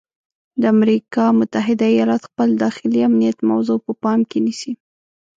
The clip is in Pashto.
د امریکا متحده ایالات خپل داخلي امنیت موضوع په پام کې نیسي.